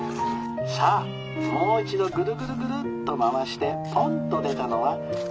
「さあもう一度ぐるぐるぐるっと回してポンッと出たのは」。